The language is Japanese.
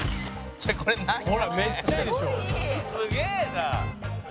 「すげえな」